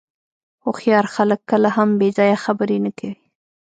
هوښیار خلک کله هم بې ځایه خبرې نه کوي.